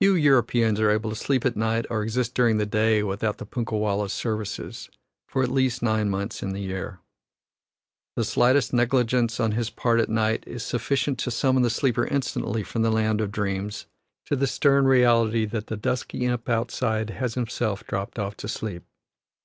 Few Europeans are able to sleep at night or exist during the day without the punkah wallah's services, for at least nine months in the year. The slightest negligence on his part at night is sufficient to summon the sleeper instantly from the land of dreams to the stern reality that the dusky imp outside has himself dropped off to sleep.